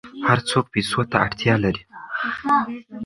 هر څوک پیسو ته اړتیا لري.